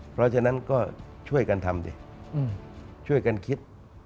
เพราะฉะนั้นก็ช่วยกันทำดิช่วยกันคิด